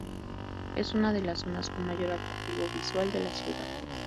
Es una de las zonas con mayor atractivo visual de la ciudad.